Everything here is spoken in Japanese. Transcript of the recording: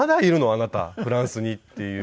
あなたフランスに」っていうぐらい。